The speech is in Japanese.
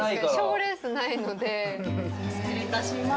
失礼いたします。